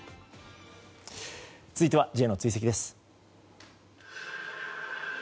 続いてはＪの追跡です。